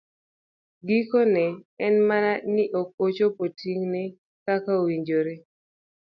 Gikone, en mana ni ok ochopo ting'ne kaka owinjore.